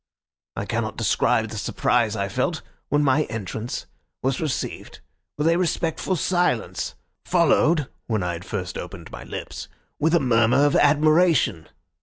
I cannot describe the surprise I felt when my entrance was received with a respectful silence, followed (when I had first opened my lips) with a murmur of admiration.